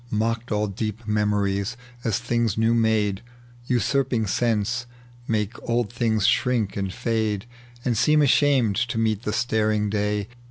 Mocked all deep memories, as things new made, Usurping sense, make old things shrink and fade And seem ashamed to meet the staring day.